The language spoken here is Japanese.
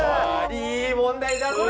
いい問題出すね！